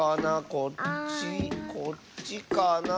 こっちこっちかな。